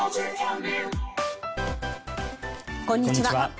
こんにちは。